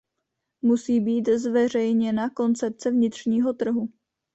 Musí být zveřejněna koncepce vnitřního trhu.